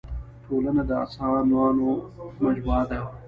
ټولنه د اسانانو مجموعه ده.